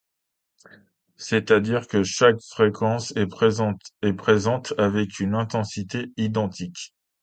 C’est-à-dire que chaque fréquence est présente avec une intensité identique.